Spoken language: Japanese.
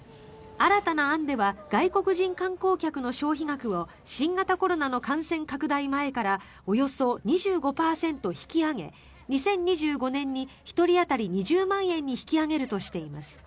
新たな案では外国人観光客の消費額を新型コロナの感染拡大前からおよそ２５％引き上げ２０２５年に１人当たり２０万円に引き上げるとしています。